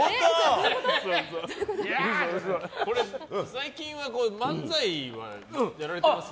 最近は漫才はやられてます？